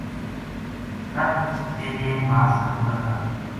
ست چیدین ماس کا پورا کر